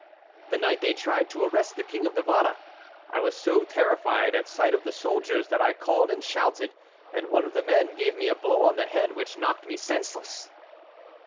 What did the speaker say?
"The night they tried to arrest the King of Navarre. I was so terrified at sight of the soldiers that I called and shouted; and one of the men gave me a blow on the head which knocked me senseless."